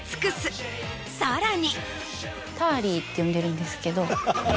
さらに。